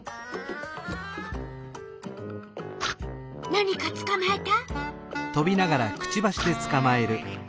何かつかまえた？